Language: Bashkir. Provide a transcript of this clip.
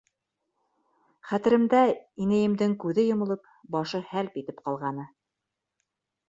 Хәтеремдә, инәйемдең күҙе йомолоп, башы һәлп итеп ҡалғаны.